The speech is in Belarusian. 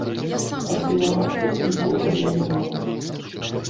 Абвінавачваць нікога я не магу.